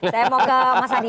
saya mau ke mas adi